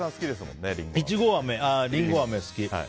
リンゴあめ、好き。